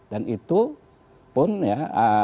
dan itu pun ya